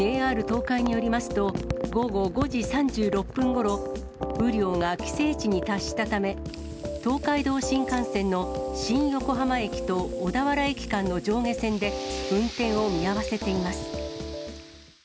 ＪＲ東海によりますと、午後５時３６分ごろ、雨量が規制値に達したため、東海道新幹線の新横浜駅と小田原駅間の上下線で、運転を見合わせています。